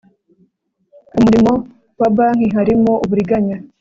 umurimo wa banki harimo uburiganya